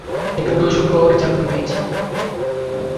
একটা নৈশপ্রহরীর চাকুরি পেয়েছি।